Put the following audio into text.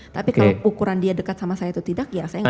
tapi kalau ukuran dia dekat sama saya itu tidak ya saya nggak tahu